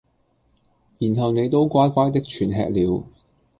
然後你都乖乖的全吃了。